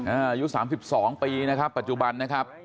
อายุ๓๒ปีนะครับปัจจุบันนะครับ